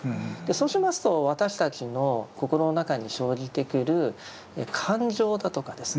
そうしますと私たちの心の中に生じてくる感情だとかですね